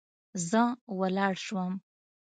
زه ولاړ سوم.